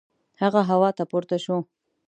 هغه هوا ته پورته شو.